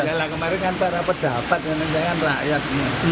enggak lah kemarin kan pak dapat jangan jangan rakyat